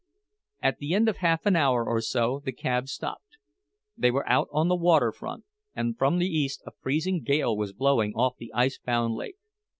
At the end of half an hour or so the cab stopped. They were out on the waterfront, and from the east a freezing gale was blowing off the ice bound lake.